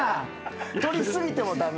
取り過ぎても駄目？